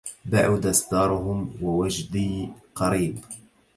بعدت دارهم ووجدي قريب